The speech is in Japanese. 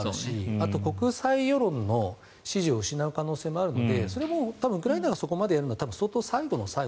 あと国際世論の支持を失う可能性もあるのでウクライナがそこまでやるのは相当最後の最後